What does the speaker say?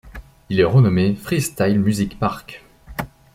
Il est renommé Freestyle Music Park.